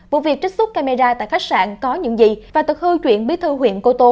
vụ việc trích xuất camera tại khách sạn có những gì và tật hư chuyện bí thư huyện cô tô